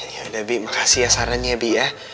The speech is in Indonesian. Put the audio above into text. yaudah bi makasih ya sarannya bi